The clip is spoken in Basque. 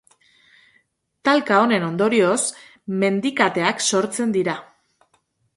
Talka honen ondorioz, mendikateak sortzen dira.